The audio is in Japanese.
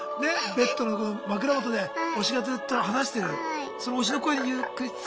ベッドの枕元で推しがずっと話してるその推しの声にゆっくり包まれながら。